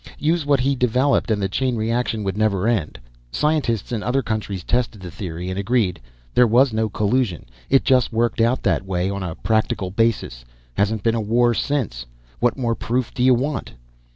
Use what he developed and the chain reaction would never end. Scientists in other countries tested the theory and agreed; there was no collusion, it just worked out that way on a practical basis. Hasn't been a war since what more proof do you want?"